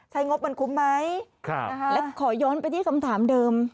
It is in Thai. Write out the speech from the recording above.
งบมันคุ้มไหมและขอย้อนไปที่คำถามเดิม